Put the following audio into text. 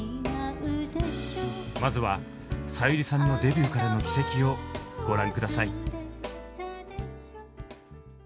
まずはさゆりさんのデビューからの軌跡をご覧下さい。